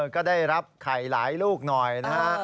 ก็ได้รับไข่หลายลูกหน่อยนะฮะ